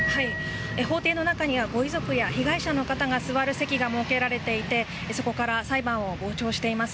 法廷の中にはご遺族や被害者の方が座る席が設けられていてそこから裁判を傍聴しています。